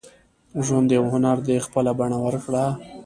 • ژوند یو هنر دی، خپله بڼه ورکړه.